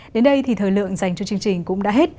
đến đây thì thời lượng dành cho chương trình cũng đã hết